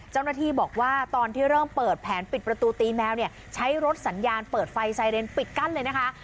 เจ้าหน้าที่บอกว่าตอนที่เริ่มเปิดแผนปิดประตูตีแมวเนี่ยใช้รถสัญญาณเปิดไฟไซเรนปิดกั้นเลยนะคะ